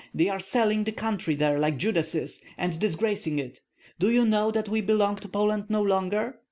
They are selling the country there like Judases, and disgracing it. Do you know that we belong to Poland no longer?